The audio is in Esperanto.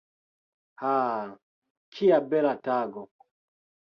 Ha, kia bela tago!